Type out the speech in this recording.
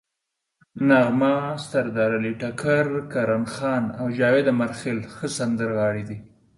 نغمه، سردارعلي ټکر، کرن خان او جاوید امیرخیل ښه سندرغاړي دي.